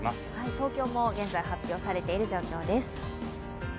東京も現在発表されている状況です。